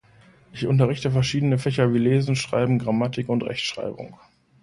Ich unterrichte verschiedene Fächer wie Lesen, Schreiben, Grammatik und Rechtschreibung.